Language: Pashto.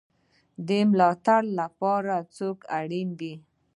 د ملاتړ لپاره څوک اړین دی؟